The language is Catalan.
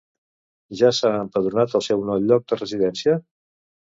Ja s'ha empadronat al seu nou lloc de residència?